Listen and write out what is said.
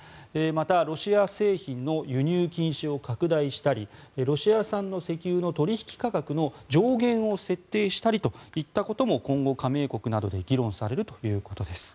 また、ロシア製品の輸入禁止を拡大したりロシア産の石油の取引価格の上限を設定したりといったことも今後、加盟国などで議論されるということです。